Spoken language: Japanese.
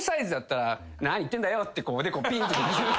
「何言ってんだよ」っておでこピンって。